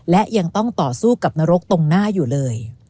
และยังต้องต่อสู้กับนรกตรงหน้าอยู่เลย